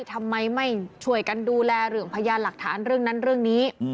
ทำไมไม่ช่วยกันดูแลเรื่องพยานหลักฐานเรื่องนั้นเรื่องนี้